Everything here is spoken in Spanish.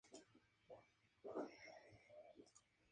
En cuanto al plátano tan sólo tiene presencia en la zona de El Manchón.